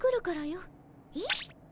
えっ？